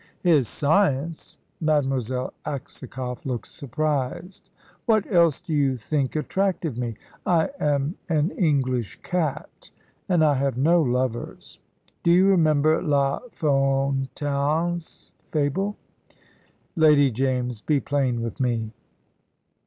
"His science!" Mademoiselle Aksakoff looked surprised. "What else do you think attracted me? I am an English cat, and I have no lovers. Do you remember La Fontaine's fable?" "Lady James, be plain with me."